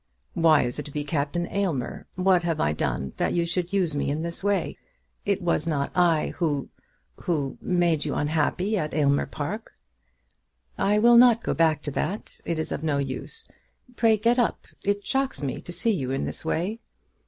"Why is it to be Captain Aylmer? What have I done that you should use me in this way? It was not I who, who, made you unhappy at Aylmer Park." "I will not go back to that. It is of no use. Pray get up. It shocks me to see you in this way."